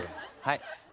はい。